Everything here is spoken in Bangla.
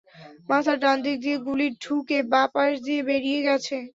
মাথার ডান দিক দিয়ে গুলি ঢুকে বাঁ পাশ দিয়ে বেরিয়ে গেছে।